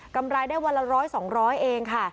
รายได้วันละ๑๐๐๒๐๐เองค่ะ